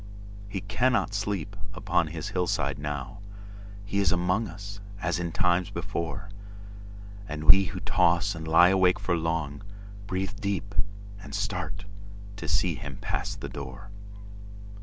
He cannot sleep upon his hillside now. He is among us:—as in times before! And we who toss and lie awake for long, Breathe deep, and start, to see him pass the door.